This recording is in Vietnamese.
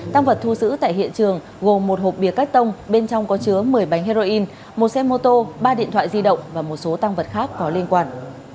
tăng vật thu giữ tại hiện trường gồm một hộp bia cắt tông bên trong có chứa một mươi bánh heroin một xe mô tô ba điện thoại di động và một số tăng vật khác có liên quan